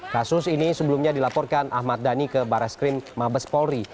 kasus ini sebelumnya dilaporkan ahmad dhani ke barreskrim mabes polri